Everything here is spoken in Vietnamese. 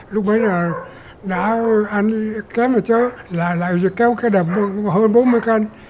lúc bấy là đã ăn kém rồi chứ lại kéo cái đầm hơn bốn mươi cân